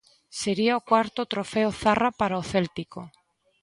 Sería o cuarto trofeo Zarra para o céltico.